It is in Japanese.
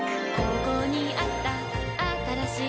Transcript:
ここにあったあったらしい